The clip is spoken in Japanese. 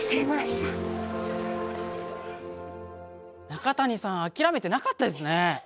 中谷さん諦めてなかったですね。